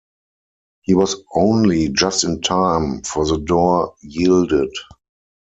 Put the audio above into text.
He was only just in time, for the door yielded.